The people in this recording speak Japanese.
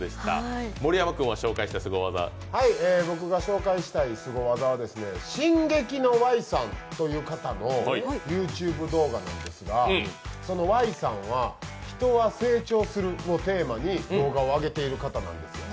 僕が紹介したいすご技は進撃のＹさんという方のＹｏｕＴｕｂｅ動画なんですが、Ｙさんは「人は成長する」をテーマに動画を上げている方なんです。